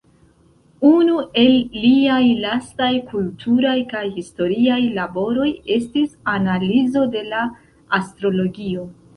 Unu el liaj lastaj kulturaj kaj historiaj laboroj estis analizo de la astrologio.